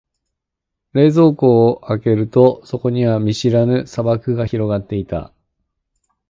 冷蔵庫を開けると、そこには見知らぬ砂漠が広がっていた。